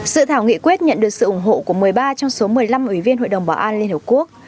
sự thảo nghị quyết nhận được sự ủng hộ của một mươi ba trong số một mươi năm ủy viên hội đồng bảo an liên hợp quốc